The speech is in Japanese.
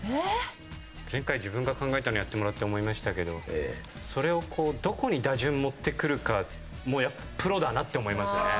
前回自分が考えたのやってもらって思いましたけどそれをこうどこに打順持ってくるかもやっぱプロだなって思いますよね。